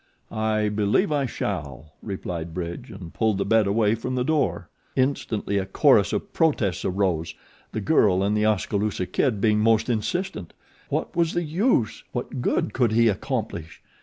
"I believe I shall," replied Bridge and pulled the bed away from the door. Instantly a chorus of protests arose, the girl and The Oskaloosa Kid being most insistent. What was the use? What good could he accomplish?